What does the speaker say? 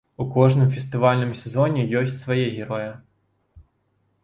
У кожным фестывальным сезоне ёсць свае героі.